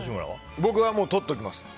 僕はとっておきます。